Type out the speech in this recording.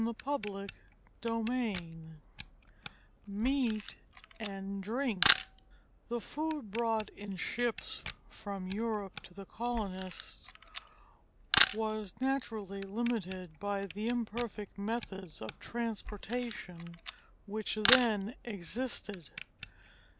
CHAPTER VII MEAT AND DRINK The food brought in ships from Europe to the colonists was naturally limited by the imperfect methods of transportation which then existed.